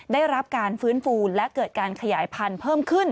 ได้รับการฟื้นฟูและเกิดการขยายพันธุ์เพิ่มขึ้น